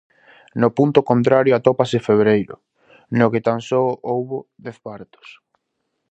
No punto contrario atópase febreiro, no que tan só houbo dez partos.